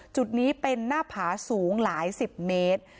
จุดนี้เป็นหน้าผาสูงหลายสิบเมตร